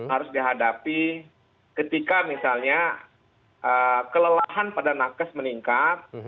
harus dihadapi ketika misalnya kelelahan pada nakes meningkat